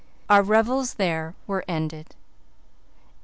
Our revels there were ended.